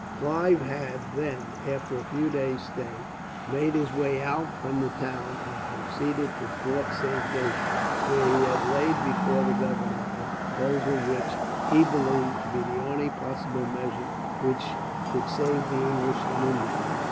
Clive had, then, after a few days' stay, made his way out from the town, and proceeded to Fort Saint David, where he had laid before the governor the proposal, which he believed to be the only possible measure which could save the English in India.